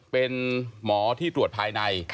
เป็นหมอที่ตรวจภายใน